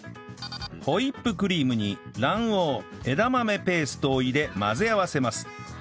ホイップクリームに卵黄枝豆ペーストを入れ混ぜ合わせます